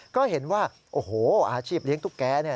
ก็เห็นว่าโอ้โหอาชีพเลี้ยงตุ๊กแกเนี่ย